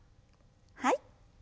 はい。